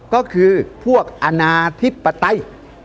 ตอนต่อไป